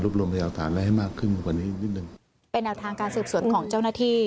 เป็นแนวทางการสืบสวนของเจ้าหน้าที่